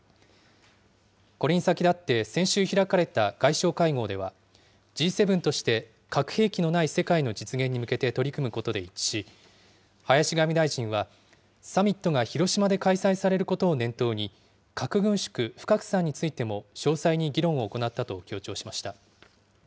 これに先立って先週開かれた外相会合では、Ｇ７として核兵器のない世界の実現に向けて取り組むことで一致し、林外務大臣は、サミットが広島で開催されることを念頭に、核軍縮・不拡散についても、詳細に議論を行ったと強調しました。